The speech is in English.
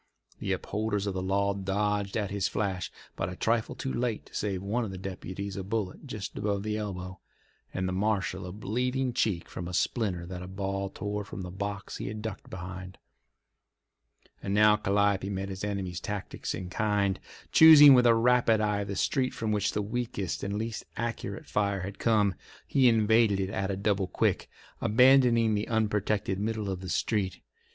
The upholders of the law dodged at his flash, but a trifle too late to save one of the deputies a bullet just above the elbow, and the marshal a bleeding cheek from a splinter that a ball tore from the box he had ducked behind. And now Calliope met the enemy's tactics in kind. Choosing with a rapid eye the street from which the weakest and least accurate fire had come, he invaded it at a double quick, abandoning the unprotected middle of the street.